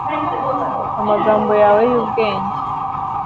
amagambo yawe y'ubwenge